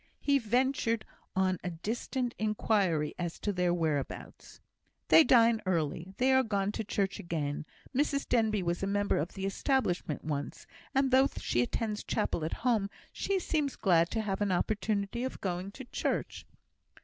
He ventured on a distant inquiry as to their whereabouts. "They dine early; they are gone to church again. Mrs Denbigh was a member of the Establishment once; and, though she attends chapel at home, she seems glad to have an opportunity of going to church."